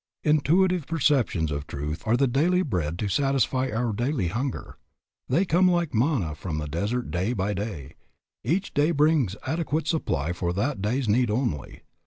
Intuitive perceptions of truth are the daily bread to satisfy our daily hunger; they come like the manna in the desert day by day; each day brings adequate supply for that day's need only.